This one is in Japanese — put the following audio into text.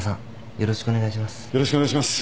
よろしくお願いします。